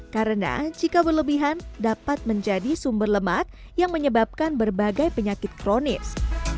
karena jika berlebihan dapat menjadi sumber lemak yang menyebabkan berbagai penyakit kronis